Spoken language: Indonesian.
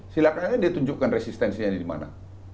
silahkan aja dia tunjukkan resistensinya di mana